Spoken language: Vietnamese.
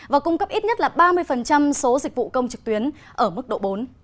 và cung cấp ít nhất ba mươi số dịch vụ công trực tuyến ở mức độ bốn